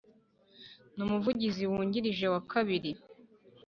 n Umuvugizi wungirije wa kabiri